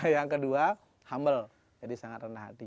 yang kedua humble jadi sangat rendah hati